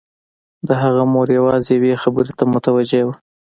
د هغه مور يوازې يوې خبرې ته متوجه وه.